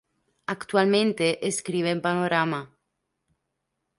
Actualmente escribe en "Panorama".